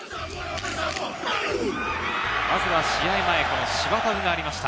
まずは試合前、シヴァタウがありました。